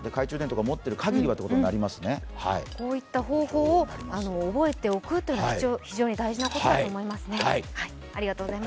こういった方法を覚えておくというのは非常に大事なことだと思いますね。